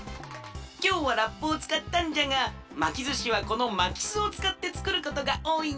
きょうはラップをつかったんじゃがまきずしはこのまきすをつかってつくることがおおいんじゃ。